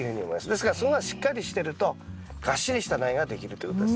ですからそこがしっかりしてるとがっしりした苗ができるということですね。